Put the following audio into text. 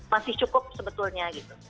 masih cukup sebetulnya gitu